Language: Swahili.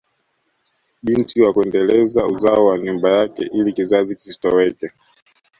Binti wa kuendeleza uzao wa nyumba yake ili kizazi kisitoweke